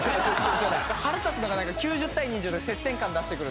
腹立つのが９０対２０で接戦感出してくる。